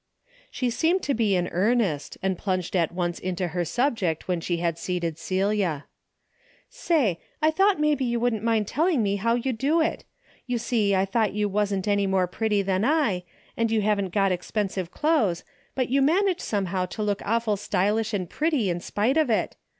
She seemed to be in earnest, and plunged at once into her subject when she had seated Celia. " Say, I thought maybe you wouldn't mind telling me how you do it. You see I thought you wasn't any more pretty than I, and you haven't got expensive clo'es, but you manage somehow to look awful stylish and pretty in spite of it.